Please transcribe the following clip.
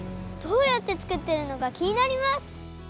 どうやって作っているのかきになります！